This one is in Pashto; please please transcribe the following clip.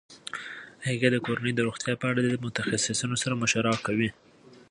هغې د کورنۍ د روغتیا په اړه د متخصصینو سره مشوره کوي.